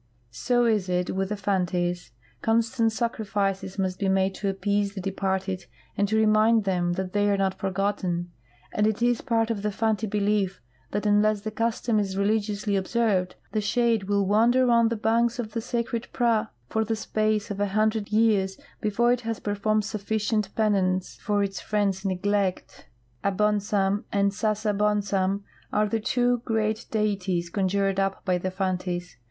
So is it with the Fantis ; constant sacrifices must be made to appease the departed and to remind them that they are not forgotten ; and it is part of the Fanti behef tliat unless the custom is religiousl_y observed the shade will wander on the banks of the Sacred Prah for the space of a hundred years before it has performed sufficient penace for its friends' neglect. Abonsam and Sasabonsam are the two great deities conjured up by the Fantis.